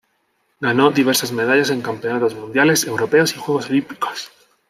Ganó diversas medallas en Campeonatos Mundiales, Europeos y Juegos Olímpicos.